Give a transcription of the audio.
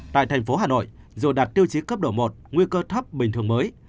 tại thành phố hà nội dù đạt tiêu chí cấp độ một nguy cơ thấp bình thường mới